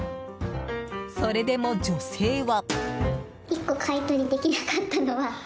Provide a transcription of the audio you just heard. それでも女性は。